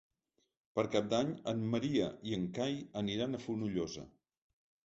Per Cap d'Any en Maria i en Cai aniran a Fonollosa.